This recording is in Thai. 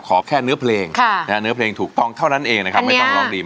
ขอแค่เนื้อเพลงเนื้อเพลงถูกต้องเท่านั้นเองนะครับ